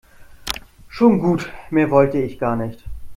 Schon gut, mehr wollte ich gar nicht.